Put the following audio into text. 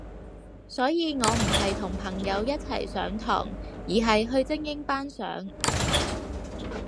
所以我唔係同朋友一齊上堂，而係去精英班上